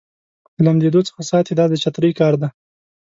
د لمدېدو څخه ساتي دا د چترۍ کار دی.